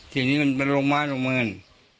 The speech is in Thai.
ที่นี่มันเป็นโรงพยาบาลตรงเมือง